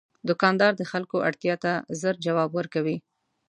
دوکاندار د خلکو اړتیا ته ژر ځواب ورکوي.